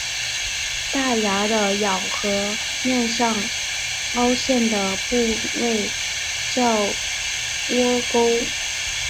大牙的咬合面上凹陷的部位叫窝沟。